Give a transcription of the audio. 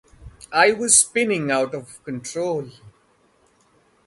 I was spinning out of control.